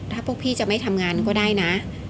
ถ้าพวกพี่จะไม่ทำงานก็ได้นะ